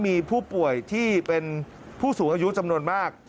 มีผู้ป่วยที่เป็นผู้สูงอายุจำนวนมาก